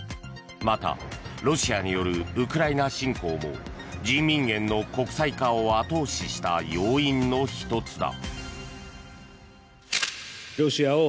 また、ロシアによるウクライナ侵攻も人民元の国際化を後押しした要因の１つだ。